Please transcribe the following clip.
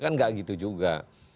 kan enggak gitu juga